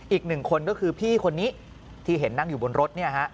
อีก๑คนก็คือพี่คนนี้ที่เห็นนั่งอยู่บนรถ